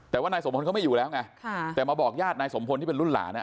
แต่ว่านายสมพลเขาไม่อยู่แล้วไงแต่มาบอกญาตินายสมพลที่เป็นรุ่นหลาน